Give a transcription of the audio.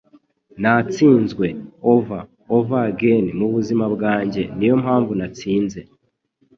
Natsinzwe & over & over again mubuzima bwanjye & niyo mpamvu natsinze."